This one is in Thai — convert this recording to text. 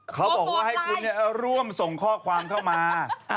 เขาบอกว่าให้คุณร่วมส่งข้อความเข้ามา